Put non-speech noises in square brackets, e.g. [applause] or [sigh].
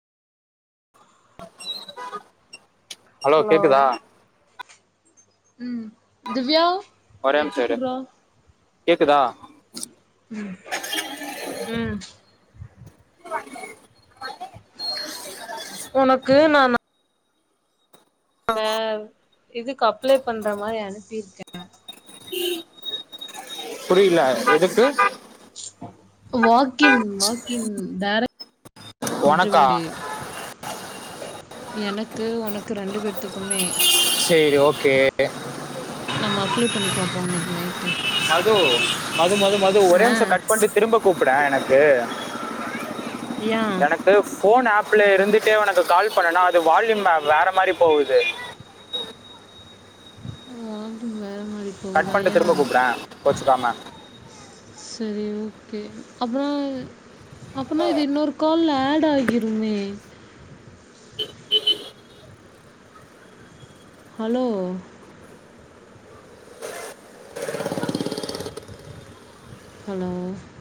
hello கேக்குதா உம் திவ்யா அத ஒரே எடுத்து நிமிஷம் இரு குட்றா கேக்குதா உம் [inaudible] உனக்கு நா அவ இதுக்கு அப்ளை பண்ற மாரி அனுப்பிருக்கே புரியல எதுக்கு வாட் கின் வாக்கின் டேரக்ட் உனக்கா இன்ட்ரிவியூ டேட் எனக்கு ஒனக்கு ரெண்டு பேத்துக்குமே சேரி ஓகே நம்ம அப்லே பண்ணி பாப்போ இன்னைக்கு நைட் மது மது மது மது ஒரே ஆ நிம்சோ கட் பண்ட்டு திரும்ப கூப் ப்டே எனக்கு யா எனக்கு ஃபோன் ஆப்ல இருந்துட்டே உனக்கு கால் பண்ணனா அது வால்யும்ல வேற மாரி போகுது வால்யூம் வே ற மாரி கட் போகுதா பண்ணிட்டு ஏ திரும்ப கூப்பிடேன் கோச்சுக்காம சரி ஓ கே அப்னா இது அப்பனா இது இன்னொரு கால்ல ஆட் ஆகிருமே ஹலோ ஹலோ